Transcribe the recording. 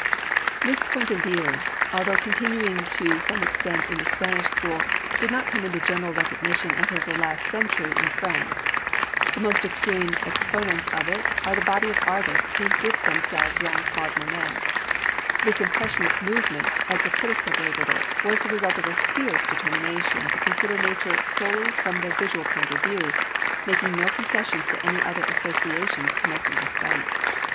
This point of view, although continuing to some extent in the Spanish school, did not come into general recognition until the last century in France. The most extreme exponents of it are the body of artists who grouped themselves round Claude Monet. This impressionist movement, as the critics have labelled it, was the result of a fierce determination to consider nature solely from the visual point of view, making no concessions to any other associations connected with sight.